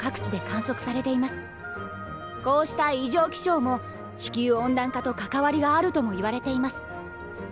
こうした異常気象も地球温暖化と関わりがあるともいわれています。